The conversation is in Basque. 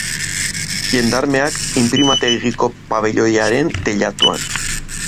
Jendarmeak inprimategiko pabiloiaren teilatuan.